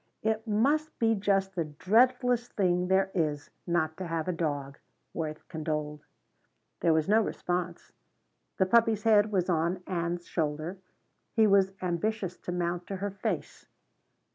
"It must be just the dreadfulest thing there is not to have a dog," Worth condoled. There was no response. The puppy's head was on Ann's shoulder. He was ambitious to mount to her face.